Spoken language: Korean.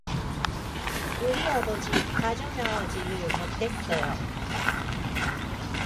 우리 아버지 빠져나오질 못했어요